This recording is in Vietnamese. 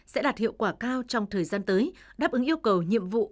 sẽ đạt hiệu quả cao trong thời gian tới đáp ứng yêu cầu nhiệm vụ